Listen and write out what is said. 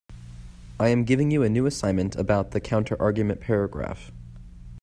I am giving you a new assignment about the counterargument paragraph.